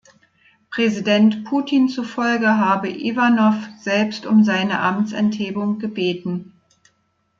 Präsident Putin zufolge habe Iwanow selbst um seine Amtsenthebung gebeten.